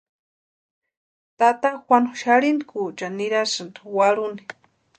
Tata Juanu xarhintkweechani nirasïnti warhuni.